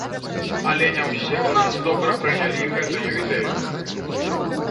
Але не ўсе ў нас добра прынялі гэтую ідэю.